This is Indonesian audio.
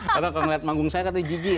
karena kalau ngeliat manggung saya kata ji ji